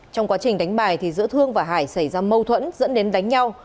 trong quá trình đánh bài giữa thương và hải xảy ra mâu thuẫn dẫn đến đánh nhau